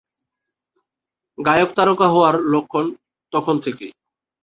গায়ক-তারকা হওয়ার লক্ষণ তখন থেকেই।